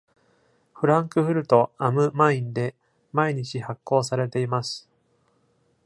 フランクフルト・アム・マインで毎日発行されています。